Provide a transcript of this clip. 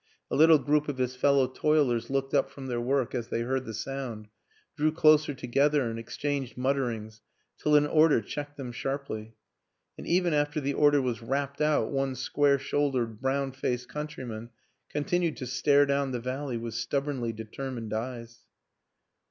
A little group of his fellow toilers looked up from their work as they heard the sound, drew closer together and exchanged mutterings till an order checked them sharply; and even after the order was rapped out one square shouldered, brown faced countryman continued to stare down the valley with stubbornly determined eyes.